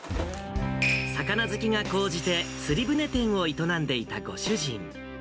魚好きが高じて、釣り船店を営んでいたご主人。